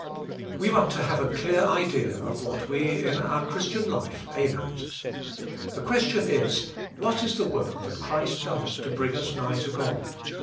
(Prayer.) We want to have a clear idea of what we, in our CHRIST LIVKTH IN ME. 143 Christian life, aim at. The question is, what is the work that Christ does to bring us nigh to God